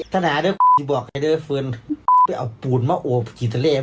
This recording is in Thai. ไปเอาปูนมาโอบกินทะเล